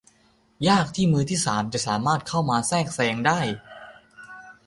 ยากที่มือที่สามจะเข้ามาแทรกได้